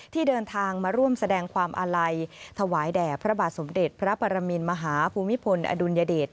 ที่เดินทางมาร่วมแสดงความอาลัยถวายแด่พระบาทสมเด็จพระปรมินมหาภูมิพลอดุลยเดช